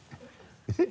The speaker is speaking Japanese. えっ？